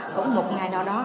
cũng một ngày nào đó